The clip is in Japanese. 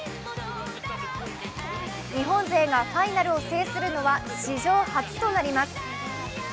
日本勢がファイナルを制するのは史上初となります。